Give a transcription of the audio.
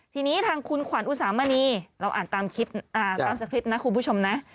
ทีนี้ทางคุณขวัญอุตสามมณีเราอ่านตามคลิปนะคุณผู้ชมนะ